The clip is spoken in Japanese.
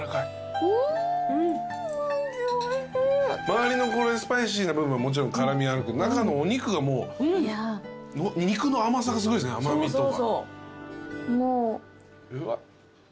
周りのスパイシーな部分はもちろん辛味あるけど中のお肉がもう肉の甘さがすごいっすね甘味とか。